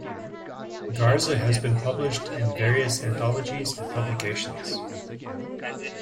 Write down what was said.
Garza has been published in various anthologies and publications.